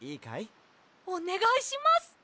おねがいします。